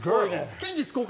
近日公開